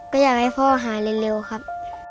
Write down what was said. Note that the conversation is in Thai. ก็อยากให้พ่อหายเร็วครับ